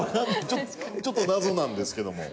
ちょっと謎なんですけども。